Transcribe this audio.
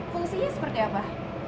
fungsinya seperti apa